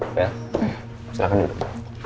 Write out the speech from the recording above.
bel silahkan duduk